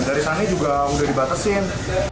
dari sana juga udah dibatasin